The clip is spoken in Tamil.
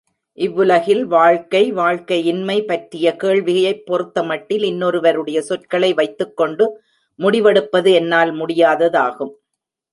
இவ்வுலகில் வாழ்க்கை, வாழ்க்கையின்மை பற்றிய கேள்வியைப் பொறுத்தமட்டில் இன்னொருவருடைய சொற்களை வைத்துக்கொண்டு முடிவெடுப்பது என்னால் முடியாததாகும்.